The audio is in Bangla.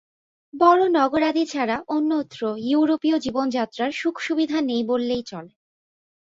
বড় নগরাদি ছাড়া অন্যত্র ইউরোপীয় জীবনযাত্রার সুখ-সুবিধা নেই বললেই চলে।